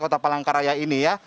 kota palangkaraya ini